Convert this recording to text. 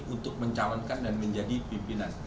untuk mencalonkan dan menjadi pimpinan